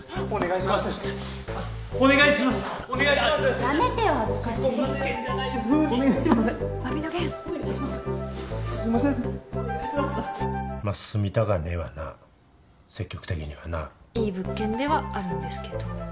いい物件ではあるんですけど。